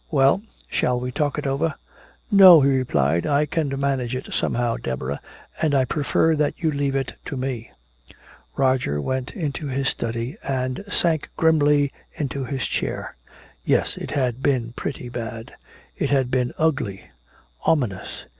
"Well? Shall we talk it over?" "No," he replied. "I can manage it somehow, Deborah, and I prefer that you leave it to me." Roger went into his study and sank grimly into his chair. Yes, it had been pretty bad; it had been ugly, ominous.